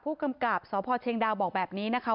ผู้กำกับสพเชียงดาวบอกแบบนี้นะคะ